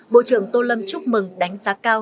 bộ trưởng tô lâm chúc mừng đánh giá cao